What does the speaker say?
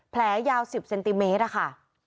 แผลยาว๑๐เซนติเมตรอะค่ะ